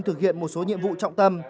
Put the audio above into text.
thực hiện một số nhiệm vụ trọng tâm